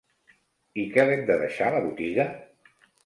I que l'hem de deixar la botiga?